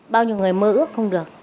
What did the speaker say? bao nhiêu người mơ ước không được